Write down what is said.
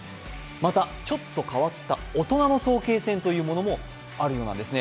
またちょっと変わった、大人の早慶戦というものもあるようなんですね。